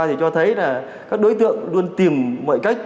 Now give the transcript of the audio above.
thì cho thấy là các đối tượng luôn tìm mọi cách